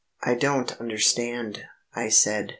"I don't understand," I said.